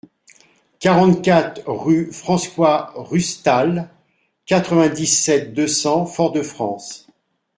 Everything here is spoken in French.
quarante-quatre rue François Rustal, quatre-vingt-dix-sept, deux cents, Fort-de-France